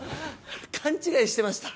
勘違いしてました！